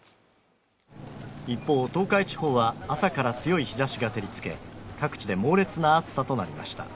一方、東海地方は朝から強い日ざしが照りつけ、各地で猛烈な暑さとなりました。